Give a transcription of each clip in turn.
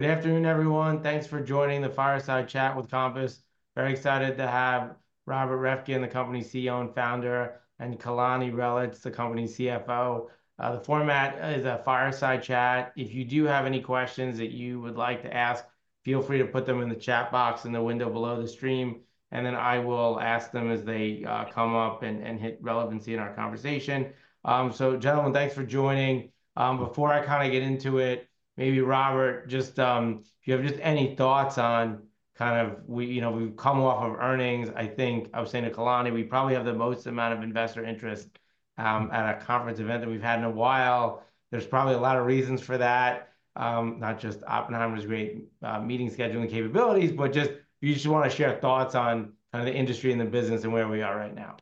Good afternoon, everyone. Thanks for joining the fireside chat with Compass. Very excited to have Robert Reffkin, the company's CEO and founder, and Kalani Reelitz, the company's CFO. The format is a fireside chat. If you do have any questions that you would like to ask, feel free to put them in the chat box in the window below the stream, and then I will ask them as they come up and hit relevancy in our conversation. So gentlemen, thanks for joining. Before I kinda get into it, maybe Robert, just if you have just any thoughts on kind of we, you know, we've come off of earnings. I think I was saying to Kalani, we probably have the most amount of investor interest at a conference event than we've had in a while. There's probably a lot of reasons for that, not just Oppenheimer's great meeting scheduling capabilities, but just if you just wanna share thoughts on kind of the industry and the business and where we are right now.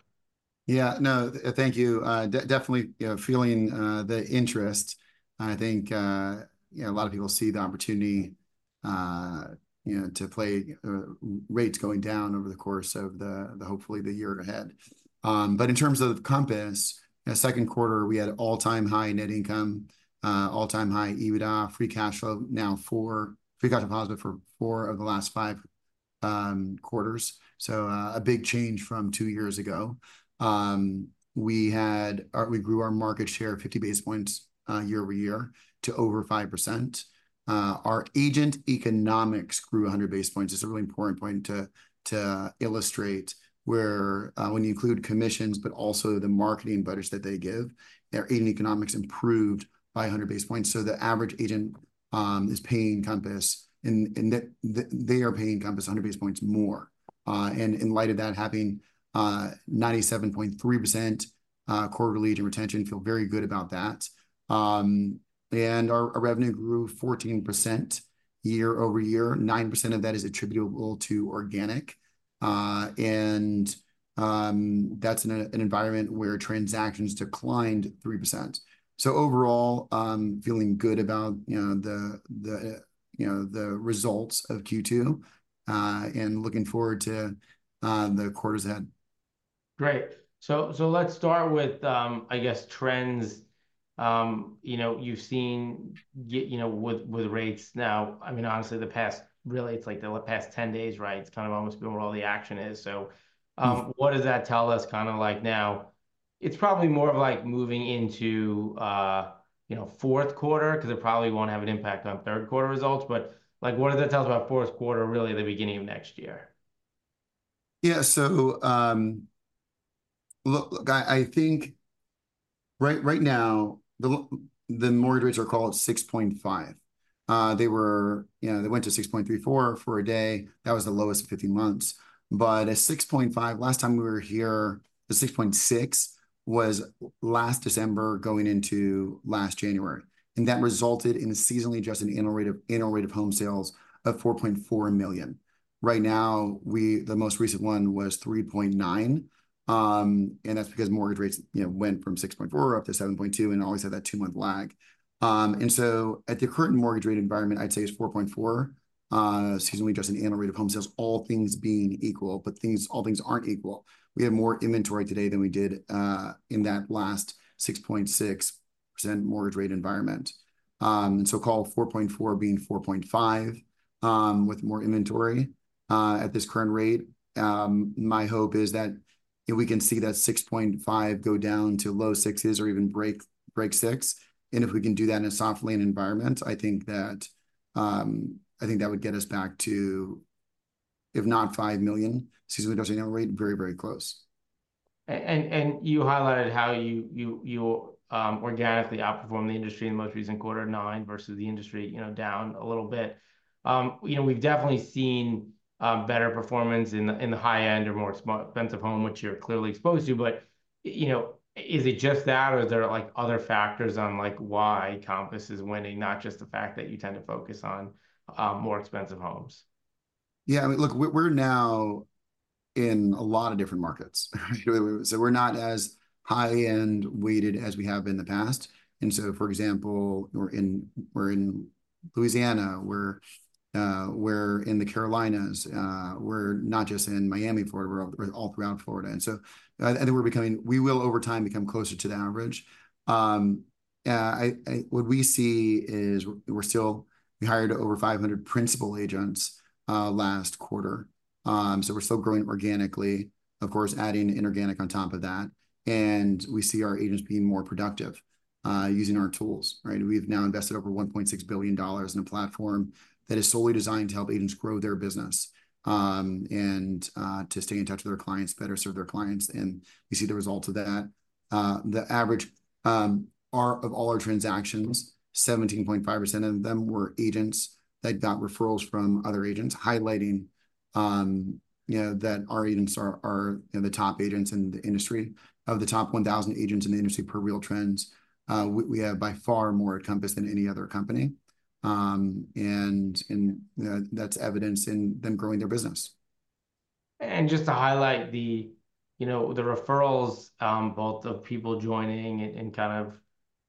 Yeah, no, thank you. Definitely, you know, feeling the interest. I think, you know, a lot of people see the opportunity, you know, to play rates going down over the course of the, hopefully the year ahead. But in terms of Compass, second quarter, we had all-time high net income, all-time high EBITDA, Free Cash Flow, now for four. We got to positive for four of the last five quarters, so, a big change from two years ago. We had. We grew our market share 50 basis points year-over-year to over 5%. Our agent economics grew 100 basis points. It's a really important point to illustrate, where, when you include commissions, but also the marketing budgets that they give, their agent economics improved by 100 basis points. So the average agent is paying Compass, and they are paying Compass 100 basis points more. And in light of that, having 97.3% core lead and retention, feel very good about that. And our revenue grew 14% year-over-year. Nine percent of that is attributable to organic, and that's in an environment where transactions declined 3%. So overall, I'm feeling good about, you know, the, the, you know, the results of Q2, and looking forward to the quarters ahead. Great. So let's start with, I guess trends. You know, you've seen you know, with rates now, I mean, honestly, the past, really, it's like the past 10 days, right? It's kind of almost been where all the action is. So- Mm What does that tell us kind of like now? It's probably more of, like, moving into, you know, fourth quarter, 'cause it probably won't have an impact on third quarter results, but, like, what does that tell us about fourth quarter, really, the beginning of next year? Yeah, so, look, I think right now, the mortgage rates are called 6.5%. They were you know, they went to 6.34% for a day. That was the lowest in 15 months. But at 6.5%, last time we were here, the 6.6% was last December going into last January, and that resulted in a seasonally adjusted annual rate of home sales of 4.4 million. Right now, the most recent one was 3.9, and that's because mortgage rates, you know, went from 6.4% up to 7.2%, and always have that two-month lag. So at the current mortgage rate environment, I'd say it's 4.4 million, seasonally adjusted annual rate of home sales, all things being equal, but things, all things aren't equal. We have more inventory today than we did in that last 6.6% mortgage rate environment. And so call it 4.4 million being 4.5 million, with more inventory at this current rate. My hope is that, if we can see that 6.5 million go down to low sixes or even break 6 million, and if we can do that in a soft landing environment, I think that, I think that would get us back to, if not 5 million, seasonally adjusted annual rate, very, very close. And you highlighted how you organically outperformed the industry in the most recent quarter, 9% versus the industry, you know, down a little bit. You know, we've definitely seen better performance in the high end or more expensive home, which you're clearly exposed to. But, you know, is it just that, or are there, like, other factors on, like, why Compass is winning, not just the fact that you tend to focus on more expensive homes? Yeah, I mean, look, we're now in a lot of different markets so we're not as high-end weighted as we have been in the past. And so, for example, we're in Louisiana, we're in the Carolinas. We're not just in Miami, Florida, we're all around Florida, and so and then we're becoming. We will, over time, become closer to the average. What we see is we're still we hired over 500 principal agents last quarter. So we're still growing organically, of course, adding inorganic on top of that, and we see our agents being more productive using our tools, right? We've now invested over $1.6 billion in a platform that is solely designed to help agents grow their business, and to stay in touch with their clients, better serve their clients, and we see the results of that. The average of all our transactions, 17.5% of them were agents that got referrals from other agents, highlighting, you know, that our agents are, you know, the top agents in the industry. Of the top 1,000 agents in the industry per RealTrends, we have by far more at Compass than any other company. And that's evidenced in them growing their business. Just to highlight the referrals, you know, both of people joining and kind of,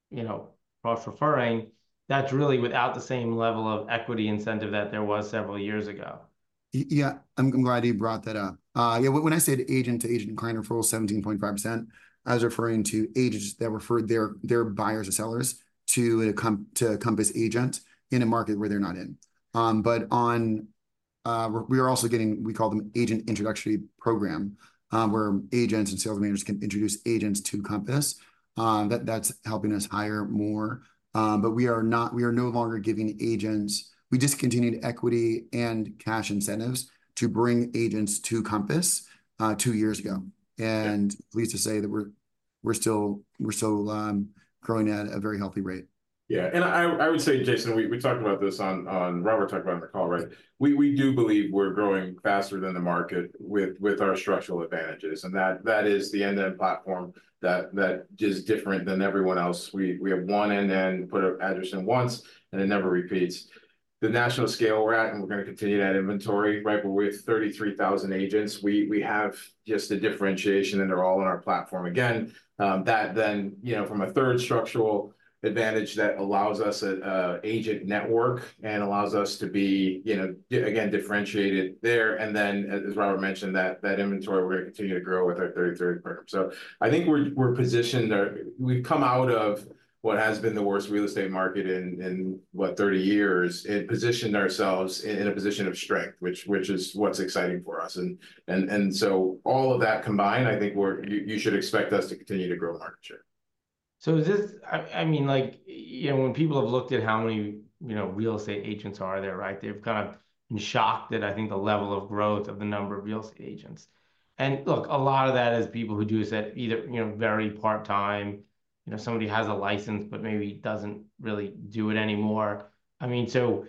you know, cross-referring, that's really without the same level of equity incentive that there was several years ago. Yeah, I'm glad you brought that up. Yeah, when I said agent-to-agent client referral, 17.5%, I was referring to agents that referred their buyers or sellers to a Compass agent in a market where they're not in. But on we are also getting, we call them Agent Introductory Program, where agents and sales managers can introduce agents to Compass. That's helping us hire more. But we are no longer giving agents we discontinued equity and cash incentives to bring agents to Compass, two years ago. Pleased to say that we're still growing at a very healthy rate. Yeah. And I would say, Jason, we talked about this on Robert talked about on the call, right? We do believe we're growing faster than the market with our structural advantages, and that is the end-to-end platform that is different than everyone else. We have one end-to-end, put an address in once and it never repeats. The national scale we're at, and we're gonna continue to add inventory, right? But we're at 33,000 agents. We have just the differentiation, and they're all on our platform. Again, that then, you know, from a third structural advantage that allows us an agent network and allows us to be, you know, differentiated again there. And then, as Robert mentioned, that inventory, we're gonna continue to grow with our 30/30 program. So I think we're positioned, or we've come out of what has been the worst real estate market in what, 30 years, and positioned ourselves in a position of strength, which is what's exciting for us. So all of that combined, I think we're—you should expect us to continue to grow market share. I mean, like, you know, when people have looked at how many, you know, real estate agents are there, right? They've kind of been shocked at, I think, the level of growth of the number of real estate agents. Look, a lot of that is people who do this at either, you know, very part-time, you know, somebody has a license but maybe doesn't really do it anymore. I mean, so.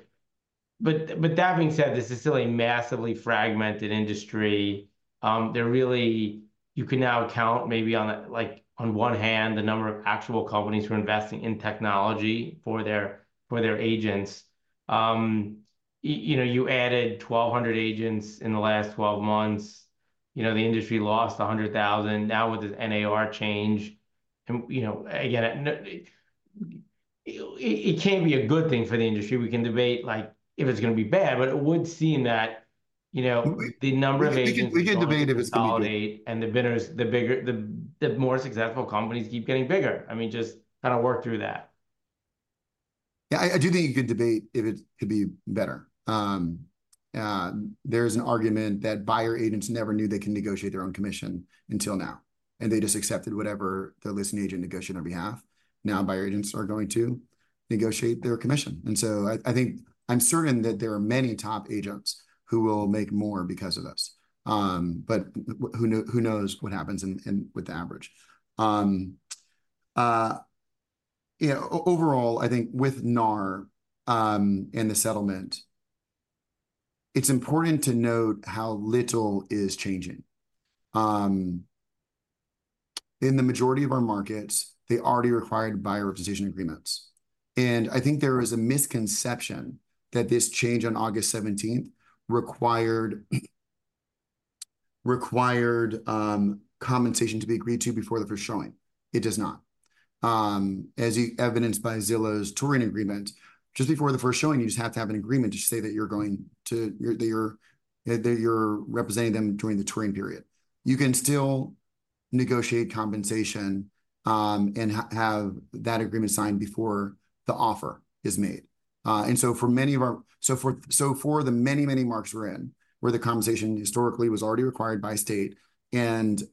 But that being said, this is still a massively fragmented industry. There you can now count maybe on, like, on one hand, the number of actual companies who are investing in technology for their, for their agents. You know, you added 1,200 agents in the last 12 months. You know, the industry lost 100,000 agents. Now, with the NAR change, and, you know, again, it can be a good thing for the industry. We can debate, like, if it's gonna be bad, but it would seem that, you know- Mm, we The number of agents We can, we can debate if it's gonna be good. Who consolidate and the bidders, the bigger, the more successful companies keep getting bigger. I mean, just kind of work through that. Yeah, I do think you could debate if it could be better. There's an argument that buyer agents never knew they can negotiate their own commission until now, and they just accepted whatever the listing agent negotiated on their behalf. Now, buyer agents are going to negotiate their commission, and so I think, I'm certain that there are many top agents who will make more because of this. But who knows what happens in, with the average? You know, overall, I think with NAR and the settlement, it's important to note how little is changing. In the majority of our markets, they already required buyer representation agreements, and I think there is a misconception that this change on August 17th required compensation to be agreed to before the first showing. It does not. As evidenced by Zillow's touring agreement, just before the first showing, you just have to have an agreement that you're representing them during the touring period. You can still negotiate compensation, and have that agreement signed before the offer is made. And so for the many, many markets we're in, where the compensation historically was already required by state and it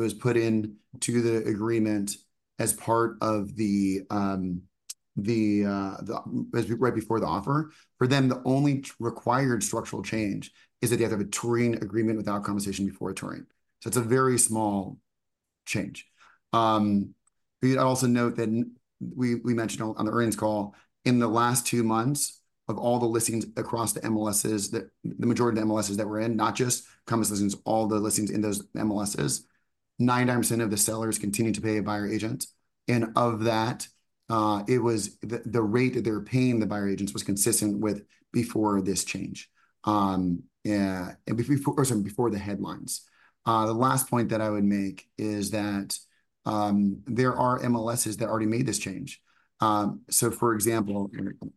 was put into the agreement as part of the right before the offer, for them, the only required structural change is that they have a touring agreement without compensation before touring. So it's a very small change. We could also note that we mentioned on the earnings call, in the last two months, of all the listings across the MLSs, the majority of the MLSs that we're in, not just Compass listings, all the listings in those MLSs, 99% of the sellers continued to pay a buyer agent. And of that, the rate that they were paying the buyer agents was consistent with before this change. And before or sorry, before the headlines. The last point that I would make is that there are MLSs that already made this change. So for example,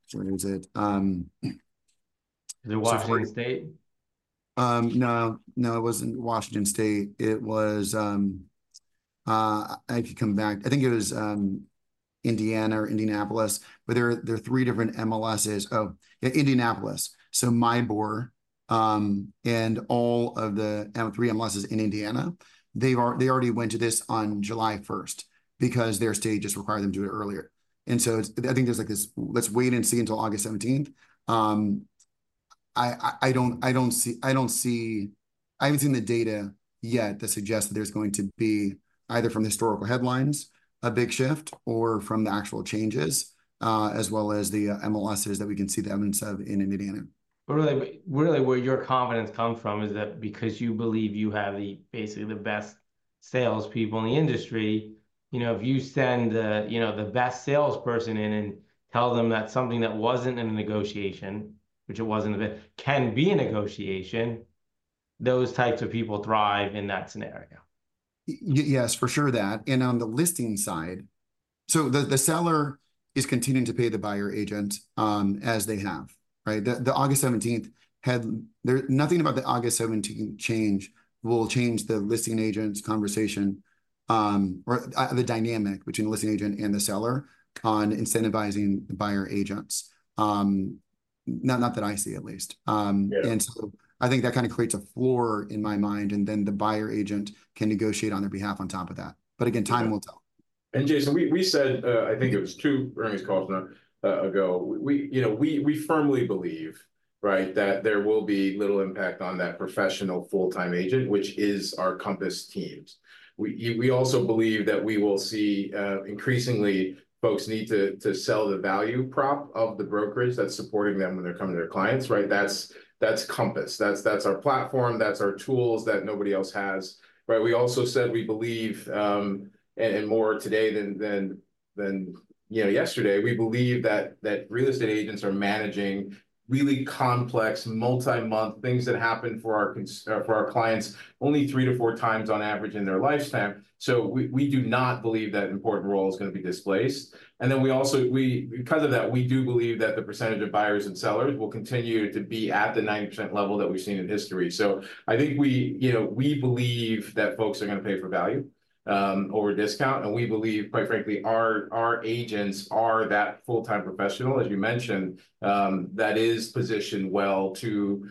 sorry, was it, Is it Washington State? No, no, it wasn't Washington State. It was I have to come back. I think it was Indiana or Indianapolis, but there are, there are three different MLSs. Oh, yeah, Indianapolis. So MIBOR, and all of the three MLSs in Indiana, they've already went to this on July 1st, because their state just required them to do it earlier. So it's I think there's, like, this, "Let's wait and see until August 17th." I don't see I haven't seen the data yet that suggests that there's going to be, either from the historical headlines, a big shift, or from the actual changes, as well as the MLSs that we can see the evidence of in Indiana. But really, really where your confidence come from is that because you believe you have the, basically, the best salespeople in the industry, you know, if you send the, you know, the best salesperson in and tell them that something that wasn't in the negotiation, which it wasn't, but can be a negotiation those types of people thrive in that scenario. Yes, for sure that. And on the listing side, so the seller is continuing to pay the buyer agent, as they have, right? Nothing about the August 17th change will change the listing agent's conversation, or the dynamic between the listing agent and the seller on incentivizing the buyer agents. Not that I see at least. Yeah And so I think that kind of creates a floor in my mind, and then the buyer agent can negotiate on their behalf on top of that. But again, time will tell. And Jason, we said, I think it was two earnings calls now ago, you know, we firmly believe, right, that there will be little impact on that professional full-time agent, which is our Compass teams. We also believe that we will see increasingly, folks need to sell the value prop of the brokerage that's supporting them when they're coming to their clients, right? That's Compass. That's our platform, that's our tools that nobody else has, right? We also said we believe, and more today than yesterday, we believe that real estate agents are managing really complex multi-month things that happen for our clients only three to four times on average in their lifetime. So we do not believe that important role is gonna be displaced. And then we also, because of that, we do believe that the percentage of buyers and sellers will continue to be at the 90% level that we've seen in history. So I think, you know, we believe that folks are gonna pay for value over discount, and we believe, quite frankly, our agents are that full-time professional, as you mentioned, that is positioned well to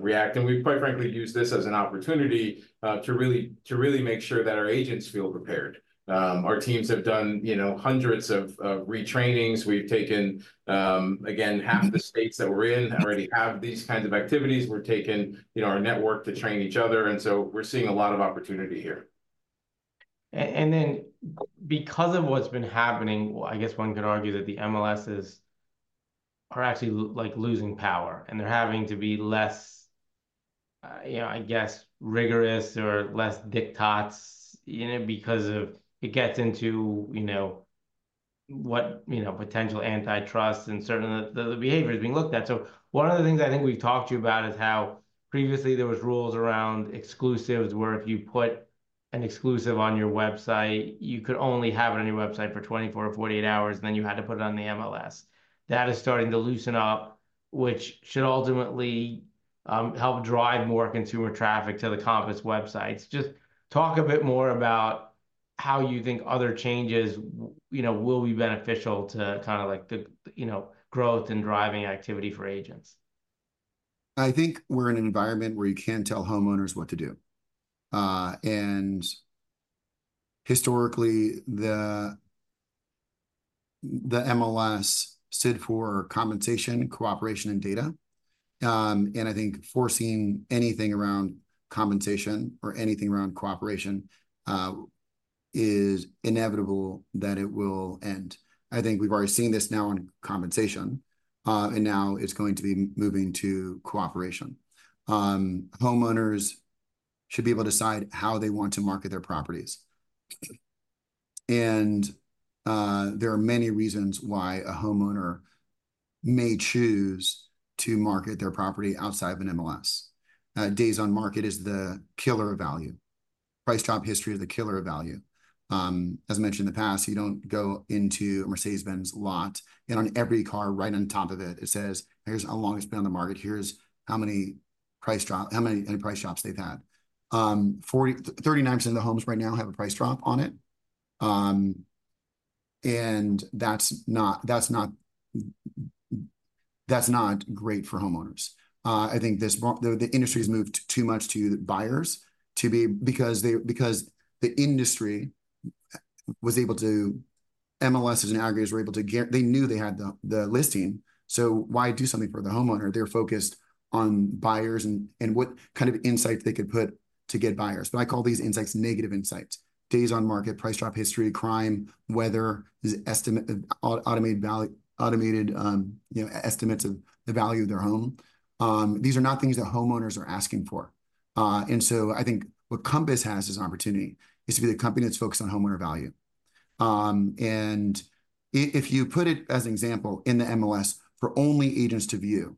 react. And we quite frankly view this as an opportunity to really make sure that our agents feel prepared. Our teams have done, you know, hundreds of re-trainings. We've taken, again, half the states that we're in already have these kinds of activities. We're taking, you know, our network to train each other, and so we're seeing a lot of opportunity here. And then because of what's been happening, well, I guess one could argue that the MLSs are actually like, losing power, and they're having to be less, you know, I guess, rigorous or less diktats, you know, because of it gets into, you know, what, you know, potential antitrust and certain of the, the behaviors being looked at. So one of the things I think we've talked to you about is how previously there was rules around exclusives, where if you put an exclusive on your website, you could only have it on your website for 24hours, 48 hours, and then you had to put it on the MLS. That is starting to loosen up, which should ultimately help drive more consumer traffic to the Compass websites. Just talk a bit more about how you think other changes, you know, will be beneficial to kinda like the, you know, growth and driving activity for agents. I think we're in an environment where you can't tell homeowners what to do. Historically, the MLS stood for compensation, cooperation, and data. I think forcing anything around compensation or anything around cooperation is inevitable that it will end. I think we've already seen this now in compensation, and now it's going to be moving to cooperation. Homeowners should be able to decide how they want to market their properties. There are many reasons why a homeowner may choose to market their property outside of an MLS. Days on market is the killer of value. Price drop history is the killer of value. As I mentioned in the past, you don't go into a Mercedes-Benz lot, and on every car, right on top of it, it says, "Here's how long it's been on the market. Here's how many price drops they've had. 39% of the homes right now have a price drop on it. And that's not great for homeowners. I think the industry's moved too much to buyers because the industry was able to. MLSs and aggregators were able to get they knew they had the listing, so why do something for the homeowner? They're focused on buyers and what kind of insight they could put to get buyers. But I call these insights negative insights. Days on market, price drop history, crime, weather, Zestimate, automated, you know, estimates of the value of their home. These are not things that homeowners are asking for. And so I think what Compass has as an opportunity is to be the company that's focused on homeowner value. If you put it, as an example, in the MLS for only agents to view,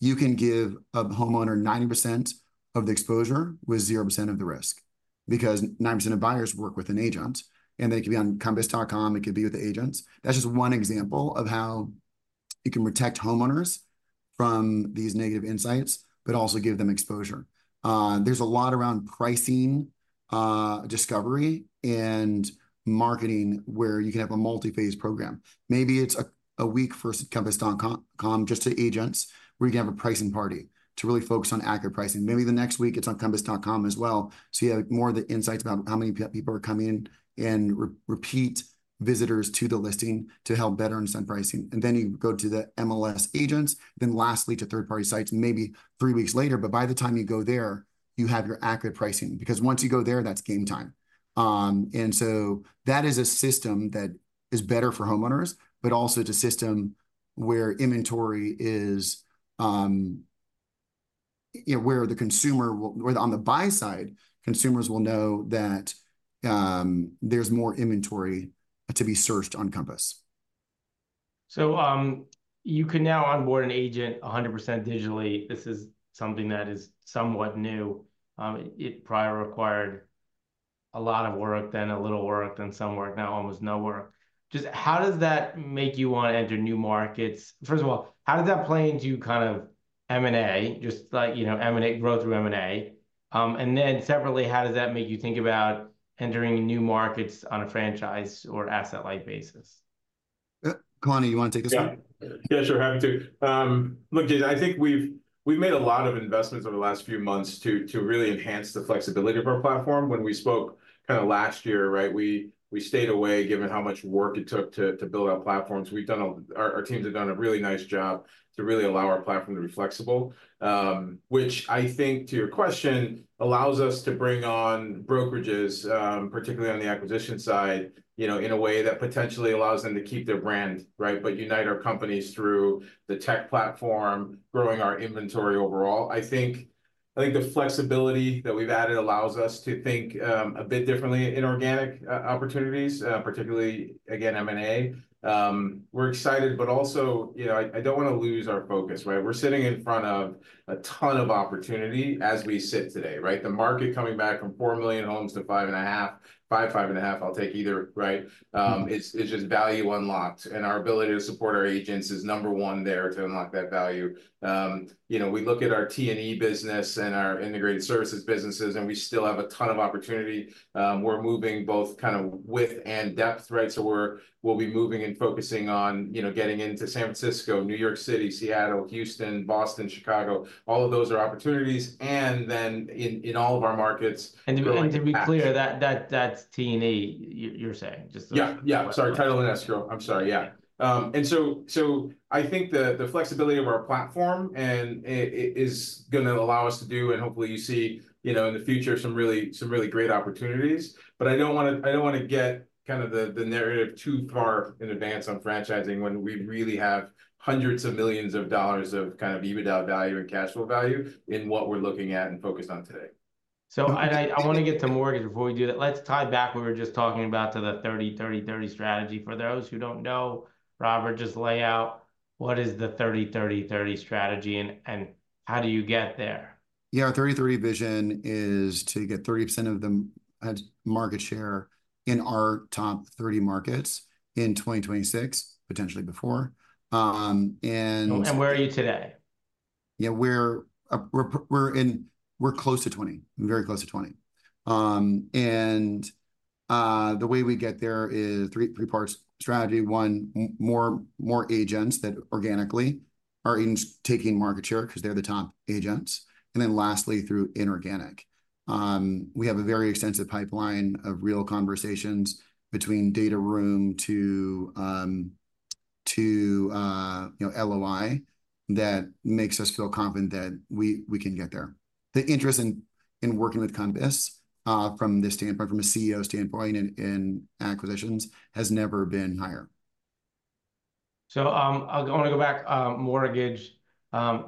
you can give a homeowner 90% of the exposure with 0% of the risk, because 90% of buyers work with an agent, and they can be on compass.com, it could be with the agents. That's just one example of how you can protect homeowners from these negative insights, but also give them exposure. There's a lot around pricing, discovery, and marketing, where you can have a multi-phase program. Maybe it's a week for compass.com just to agents, where you can have a pricing party to really focus on accurate pricing. Maybe the next week, it's on compass.com as well, so you have more of the insights about how many people are coming in and repeat visitors to the listing to help better understand pricing. And then you go to the MLS agents, then lastly to third-party sites, and maybe three weeks later, but by the time you go there, you have your accurate pricing. Because once you go there, that's game time. And so that is a system that is better for homeowners, but also it's a system where inventory is, you know, where the consumer will, where on the buy side, consumers will know that there's more inventory to be searched on Compass. So, you can now onboard an agent 100% digitally. This is something that is somewhat new. It prior required a lot of work, then a little work, then some work, now almost no work. Just how does that make you wanna enter new markets? First of all, how does that play into kind of M&A, just like, you know, M&A growth through M&A? And then separately, how does that make you think about entering new markets on a franchise or asset-light basis? Kalani, you wanna take this one? Yeah, sure, happy to. Look, Jason, I think we've, we've made a lot of investments over the last few months to, to really enhance the flexibility of our platform. When we spoke kinda last year, right, we, we stayed away, given how much work it took to, to build out platforms. Our teams have done a really nice job to really allow our platform to be flexible. Which I think, to your question, allows us to bring on brokerages, particularly on the acquisition side, you know, in a way that potentially allows them to keep their brand, right? But unite our companies through the tech platform, growing our inventory overall. I think, I think the flexibility that we've added allows us to think a bit differently in organic opportunities, particularly again, M&A. We're excited, but also, you know, I don't wanna lose our focus, right? We're sitting in front of a ton of opportunity as we sit today, right? The market coming back from 4 million homes to 5.5 million, 5.5 million, I'll take either, right? It's just value unlocked, and our ability to support our agents is number one there to unlock that value. You know, we look at our T&E business and our integrated services businesses, and we still have a ton of opportunity. We're moving both kinda width and depth, right? So we'll be moving and focusing on, you know, getting into San Francisco, New York City, Seattle, Houston, Boston, Chicago. All of those are opportunities, and then in all of our markets- To be clear, that's T&E, you're saying? Just- Yeah, yeah. Sorry, title and escrow. I'm sorry, yeah. And so, I think the flexibility of our platform, and it is gonna allow us to do, and hopefully you see, you know, in the future, some really great opportunities. But I don't wanna get kind of the narrative too far in advance on franchising, when we really have hundreds of millions of dollars of kind of EBITDA value and cash flow value in what we're looking at and focused on today. So, and I, I wanna get to mortgage. Before we do that, let's tie back what we were just talking about to the 30, 30, 30 strategy. For those who don't know, Robert, just lay out what is the 30, 30, 30 strategy, and, and how do you get there? Yeah, our 30/30 Vision is to get 30% of the market share in our top 30 markets in 2026, potentially before. And- Where are you today? Yeah, we're close to 20. We're very close to 20. And the way we get there is three parts strategy. One, more agents that organically, our agents taking market share, 'cause they're the top agents. And then lastly, through inorganic. We have a very extensive pipeline of real conversations between data room to, you know, LOI, that makes us feel confident that we can get there. The interest in working with Compass, from this standpoint, from a CEO standpoint and acquisitions, has never been higher. So, I wanna go back, mortgage,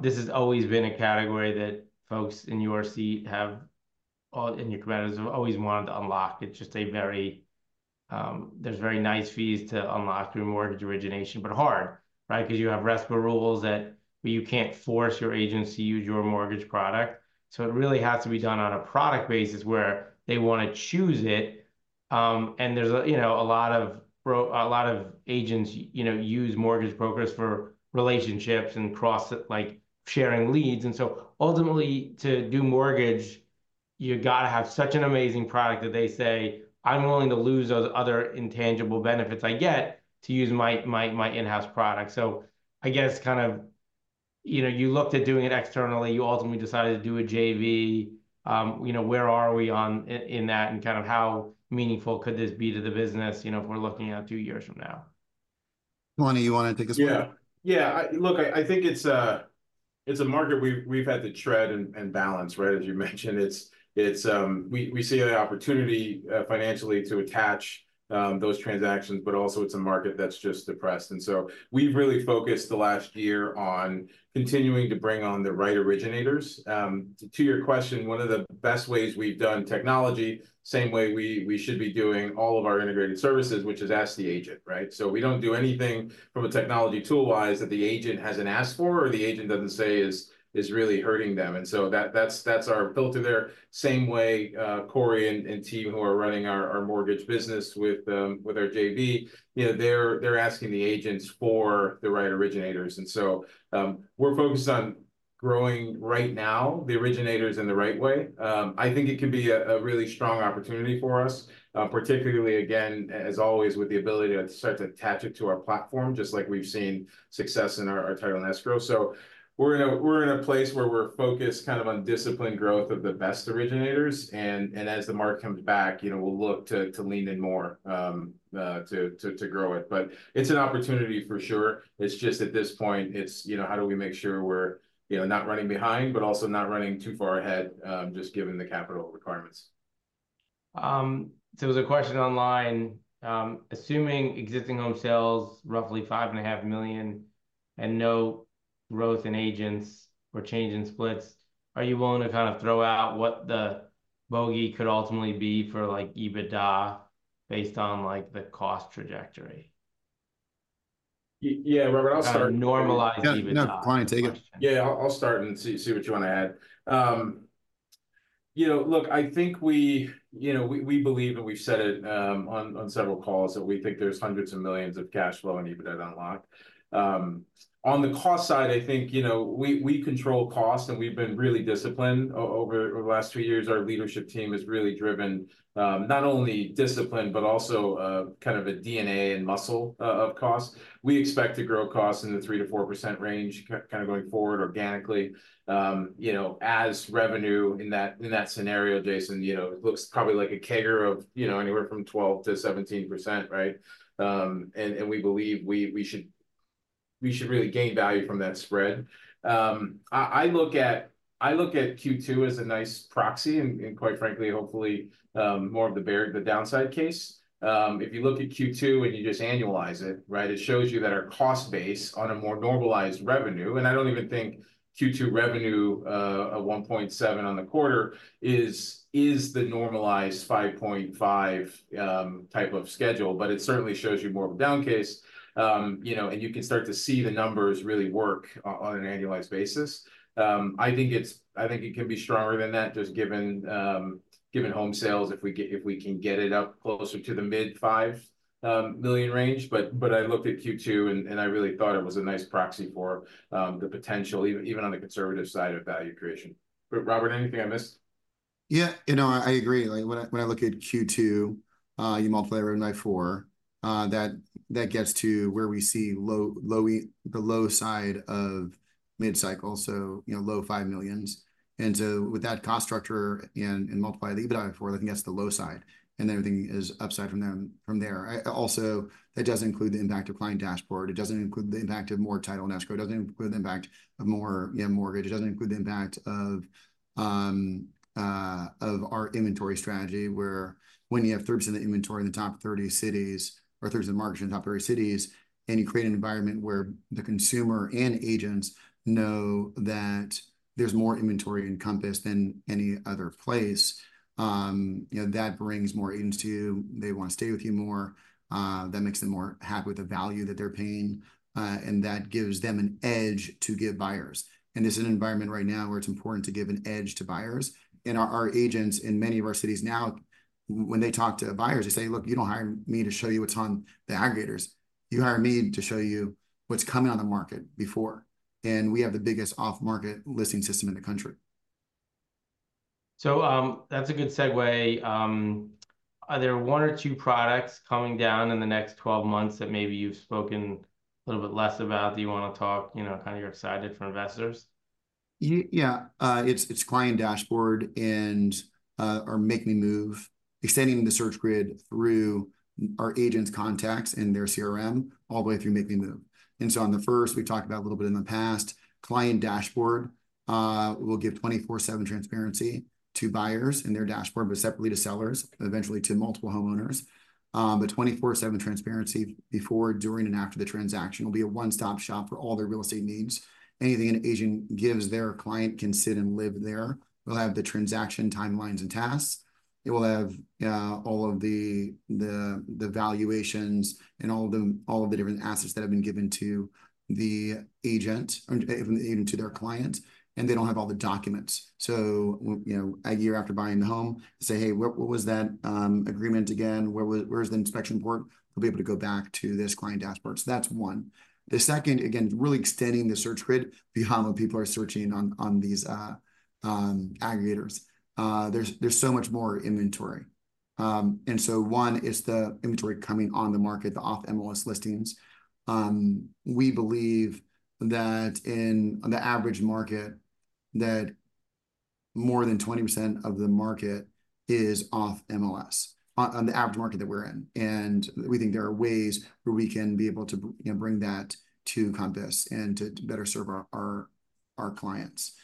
this has always been a category that folks in your seat have, and your competitors have always wanted to unlock. It's just a very there's very nice fees to unlock through mortgage origination, but hard, right? 'Cause you have RESPA rules that you can't force your agents to use your mortgage product. So it really has to be done on a product basis, where they wanna choose it, and there's a, you know, a lot of agents, you know, use mortgage brokers for relationships and cross, like, sharing leads. And so ultimately, to do mortgage, you gotta have such an amazing product that they say, "I'm willing to lose those other intangible benefits I get to use my in-house product." So I guess kind of, you know, you looked at doing it externally, you ultimately decided to do a JV. You know, where are we on in that, and kind of how meaningful could this be to the business, you know, if we're looking out two years from now? Kalani, you wanna take this one? Yeah. Yeah, look, I think it's a market we've had to tread and balance, right? As you mentioned, it's we see an opportunity financially to attach those transactions, but also it's a market that's just depressed. And so we've really focused the last year on continuing to bring on the right originators. To your question, one of the best ways we've done technology, same way we should be doing all of our integrated services, which is ask the agent, right? So we don't do anything from a technology tool-wise that the agent hasn't asked for, or the agent doesn't say is really hurting them. And so that's our filter there. Same way, Corey and team, who are running our mortgage business with our JV, you know, they're asking the agents for the right originators. And so, we're focused on growing right now, the originators in the right way. I think it can be a really strong opportunity for us, particularly again, as always, with the ability to start to attach it to our platform, just like we've seen success in our title and escrow. So we're in a place where we're focused kind of on disciplined growth of the best originators. And as the market comes back, you know, we'll look to lean in more, to grow it. But it's an opportunity for sure. It's just at this point, it's, you know, how do we make sure we're, you know, not running behind, but also not running too far ahead, just given the capital requirements? So there was a question online: Assuming existing home sales roughly 5.5 million and no growth in agents or change in splits, are you willing to kind of throw out what the bogey could ultimately be for, like, EBITDA based on, like, the cost trajectory? Yeah, Robert, I'll start- A normalized EBITDA. Yeah, no, take it. Yeah, I'll start and see what you wanna add. You know, look, I think we believe, and we've said it on several calls, that we think there's hundreds of millions of dollars of cash flow and EBITDA unlocked. On the cost side, I think, you know, we control cost, and we've been really disciplined over the last two years. Our leadership team has really driven not only discipline, but also kind of a DNA and muscle of cost. We expect to grow costs in the 3%-4% range, kind of going forward organically. You know, as revenue in that scenario, Jason, looks probably like a CAGR of anywhere from 12%-17%, right? And we believe we should really gain value from that spread. I look at Q2 as a nice proxy, and quite frankly, hopefully more of the bear case, the downside case. If you look at Q2, and you just annualize it, right, it shows you that our cost base, on a more normalized revenue, and I don't even think Q2 revenue of $1.7 million on the quarter is the normalized $5.5 million type of schedule. But it certainly shows you more of a down case. You know, and you can start to see the numbers really work on an annualized basis. I think it can be stronger than that, just given home sales, if we can get it up closer to the mid- $5 million range. But I looked at Q2, and I really thought it was a nice proxy for the potential, even on the conservative side of value creation. Robert, anything I missed? Yeah, you know, I agree. Like, when I look at Q2, you multiply revenue by four, that gets to where we see the low side of mid-cycle, so, you know, low $5 million. And so with that cost structure and multiply the EBITDA for it, I think that's the low side, and everything is upside from there. Also, that doesn't include the impact of Client Dashboard. It doesn't include the impact of more title and escrow. It doesn't include the impact of more mortgage. It doesn't include the impact of our inventory strategy, where when you have 30% of the inventory in the top 30 cities, or 30% market in the top 30 cities, and you create an environment where the consumer and agents know that there's more inventory in Compass than any other place, you know, that brings more agents to you. They wanna stay with you more. That makes them more happy with the value that they're paying, and that gives them an edge to get buyers. It's an environment right now where it's important to give an edge to buyers, and our agents in many of our cities now, when they talk to buyers, they say: "Look, you don't hire me to show you what's on the aggregators. You hire me to show you what's coming on the market before, and we have the biggest off-market listing system in the country. So, that's a good segue. Are there one or two products coming down in the next 12 months that maybe you've spoken a little bit less about, that you wanna talk, you know, kind of you're excited for investors? Yeah. It's Client Dashboard and our Make Me Move, extending the search grid through our agents' contacts and their CRM all the way through Make Me Move. And so on the first, we've talked about a little bit in the past. Client Dashboard will give 24/7 transparency to buyers in their dashboard, but separately to sellers, eventually to multiple homeowners. But 24/7 transparency before, during, and after the transaction. It'll be a one-stop shop for all their real estate needs. Anything an agent gives their client can sit and live there. It'll have the transaction timelines and tasks. It will have all of the valuations and all of the different assets that have been given to the agent, or from the agent to their client, and they don't have all the documents. So, you know, a year after buying the home, say, "Hey, what, what was that, agreement again? Where was where's the inspection report?" They'll be able to go back to this Client Dashboard, so that's one. The second, again, really extending the search grid behind what people are searching on, on these, aggregators. There's, there's so much more inventory. And so one is the inventory coming on the market, the off-MLS listings. We believe that in the average market, that more than 20% of the market is off MLS, on the average market that we're in, and we think there are ways where we can be able to you know, bring that to Compass and to, to better serve our, our, our clients.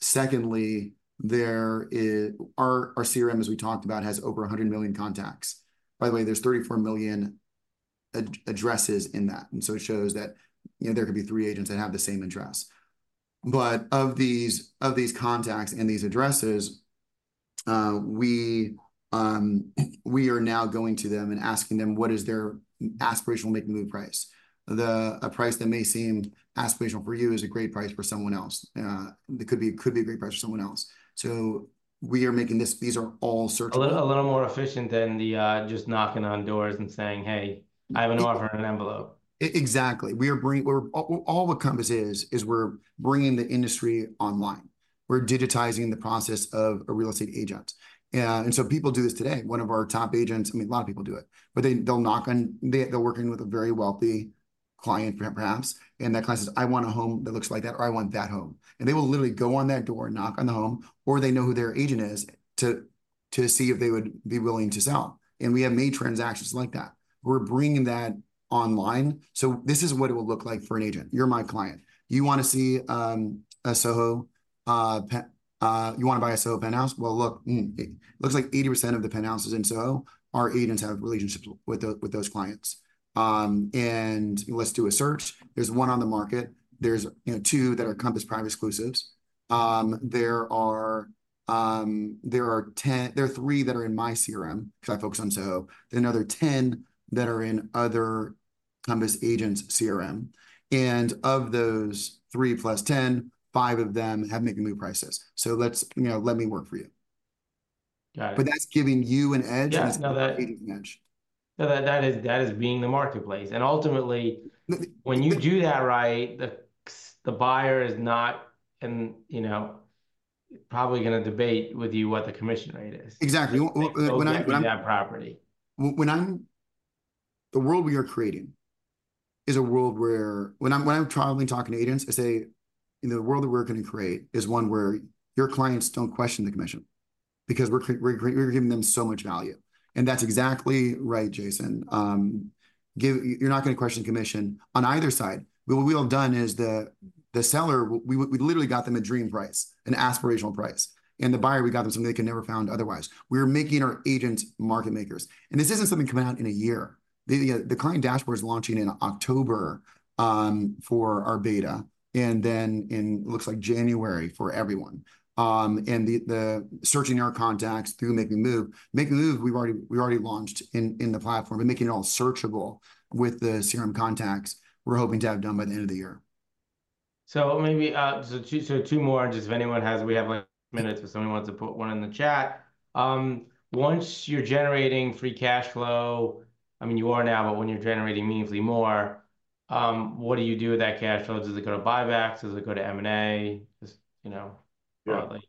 Secondly, there our, our CRM, as we talked about, has over 100 million contacts. By the way, there's 34 million addresses in that, and so it shows that, you know, there could be three agents that have the same address. But of these, of these contacts and these addresses, we are now going to them and asking them, what is their aspirational Make Me Move price? A price that may seem aspirational for you is a great price for someone else. It could be, it could be a great price for someone else. So we are making this... these are all searches- A little, a little more efficient than the, just knocking on doors and saying, "Hey, I have an offer in an envelope. Exactly. All what Compass is, is we're bringing the industry online. We're digitizing the process of a real estate agent. And so people do this today. One of our top agents, I mean, a lot of people do it, but they'll knock on. They're working with a very wealthy client, perhaps, and that client says, "I want a home that looks like that," or, "I want that home." And they will literally go on that door and knock on the home, or they know who their agent is, to see if they would be willing to sell. And we have made transactions like that. We're bringing that online. So this is what it will look like for an agent. "You're my client. You wanna see a SoHo?" you wanna buy a SoHo penthouse? Well, look, it looks like 80% of the penthouses in SoHo, our agents have relationships with those clients. And let's do a search. There's one on the market. There's, you know, two that are Compass Private Exclusives. There are three that are in my CRM, 'cause I focus on SoHo. There are another ten that are in other Compass agents' CRM. And of those three plus ten, five of them have Make Me Move prices. So let's, you know, let me work for you. Got it. But that's giving you an edge- Yeah, no, that- And that agent an edge. No, that is being the marketplace. And ultimately- When you do that right, the buyer is not, you know, probably gonna debate with you what the commission rate is- Exactly. When I'm When they see that property. When I'm the world we are creating is a world where... When I'm traveling, talking to agents, I say, "In the world that we're gonna create, is one where your clients don't question the commission because we're giving them so much value." And that's exactly right, Jason. You're not gonna question commission on either side. But what we have done is the seller, we literally got them a dream price, an aspirational price. And the buyer, we got them something they could never found otherwise. We're making our agents market makers. And this isn't something coming out in a year. The Client Dashboard is launching in October for our beta, and then in, looks like January for everyone. And the searching our contacts through Make Me Move. Make Me Move, we already launched in the platform. We're making it all searchable with the CRM contacts, we're hoping to have done by the end of the year. So maybe two more, just if anyone has... We have, like, minutes, if someone wants to put one in the chat. Once you're generating Free Cash Flow, I mean, you are now, but when you're generating meaningfully more, what do you do with that cash flow? Does it go to buybacks? Does it go to M&A? Just, you know- Yeah Broadly.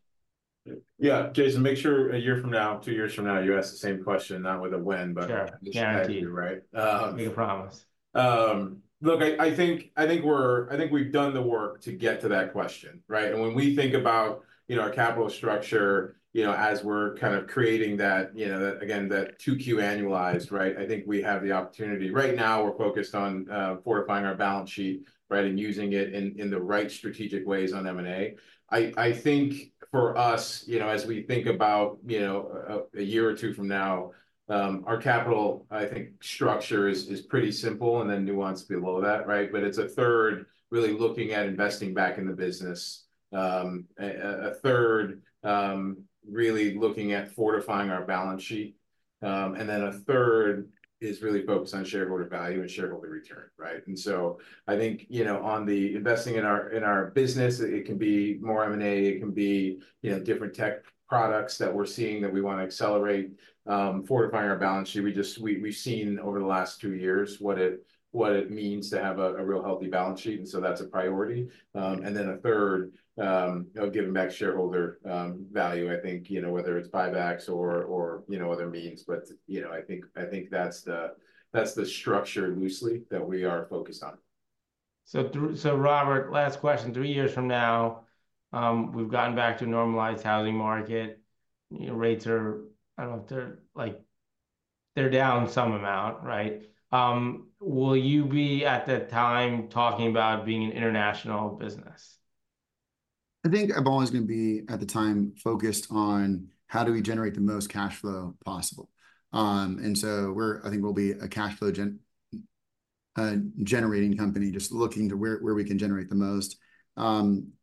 Yeah, Jason, make sure a year from now, two years from now, you ask the same question, not with a when, but- Sure, guaranteed Just how you're right. Make a promise. Look, I think we've done the work to get to that question, right? And when we think about, you know, our capital structure, you know, as we're kind of creating that, you know, that, again, that 2Q annualized, right? I think we have the opportunity. Right now, we're focused on fortifying our balance sheet, right? And using it in the right strategic ways on M&A. I think for us, you know, as we think about, you know, a year or two from now, our capital, I think, structure is pretty simple and then nuanced below that, right? But it's a third really looking at investing back in the business. A third really looking at fortifying our balance sheet. And then a third is really focused on shareholder value and shareholder return, right? And so I think, you know, on the investing in our, in our business, it can be more M&A, it can be, you know, different tech products that we're seeing that we wanna accelerate. Fortifying our balance sheet, we've seen over the last two years what it means to have a real healthy balance sheet, and so that's a priority. And then a third, you know, giving back shareholder value, I think, you know, whether it's buybacks or, or, you know, other means. But, you know, I think that's the structure loosely that we are focused on. So Robert, last question. Three years from now, we've gotten back to a normalized housing market. You know, rates are, I don't know, they're like down some amount, right? Will you be, at that time, talking about being an international business? I think I'm always gonna be, at the time, focused on how do we generate the most cash flow possible. And so we're I think we'll be a cash flow generating company, just looking to where we can generate the most.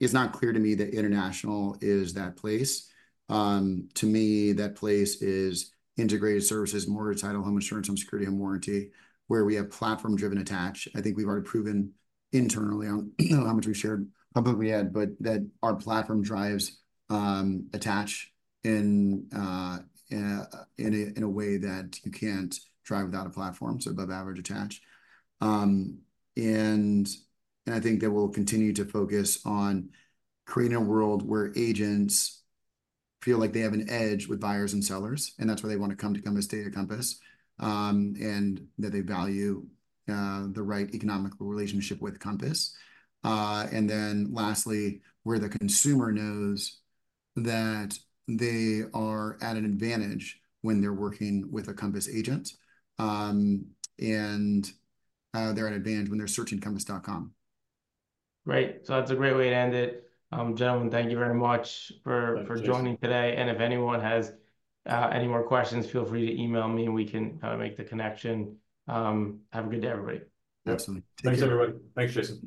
It's not clear to me that international is that place. To me, that place is integrated services, mortgage, title, home insurance, home security, and warranty, where we have platform-driven attach. I think we've already proven internally on how much we've shared, how much we had, but that our platform drives attach in a way that you can't drive without a platform, so above average attach. And I think that we'll continue to focus on creating a world where agents feel like they have an edge with buyers and sellers, and that's why they want to come to Compass, stay at Compass. And that they value the right economical relationship with Compass. And then lastly, where the consumer knows that they are at an advantage when they're working with a Compass agent. And they're at advantage when they're searching compass.com. Great. So that's a great way to end it. Gentlemen, thank you very much for- For joining today. If anyone has any more questions, feel free to email me and we can make the connection. Have a good day, everybody. Absolutely. Take care. Thanks, everyone. Thanks, Jason.